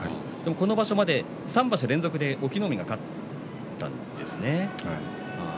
この場所まで３場所連続隠岐の海が勝っていたんですね。